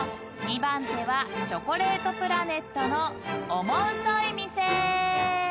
［２番手はチョコレートプラネットのオモウソい店］